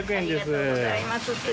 ありがとうございます。